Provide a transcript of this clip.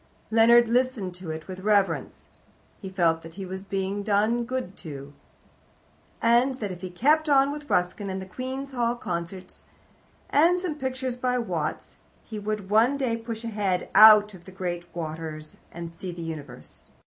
Leonard listened to it with reverence. He felt that he was being done good to, and that if he kept on with Ruskin, and the Queen's Hall Concerts, and some pictures by Watts, he would one day push his head out of the grey waters and see the universe.